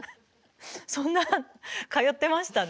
そんなの通ってましたね。